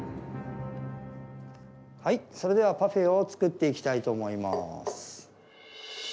はい、それではパフェを作っていきたいと思います。